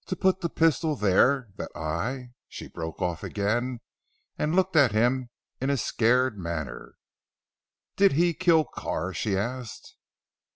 "To put the pistol there, that I " she broke off again, and looked at him in a scared manner. "Did he kill Carr?" she asked.